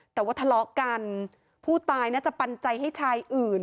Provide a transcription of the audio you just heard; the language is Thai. แต่ว่าทะเลาะกันผู้ตายน่าจะปันใจให้ชายอื่น